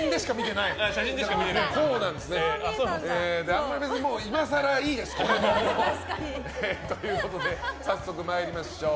あんまり今更いいです、これも。ということで早速参りましょう。